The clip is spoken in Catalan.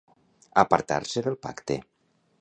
Apartar-se del pacte.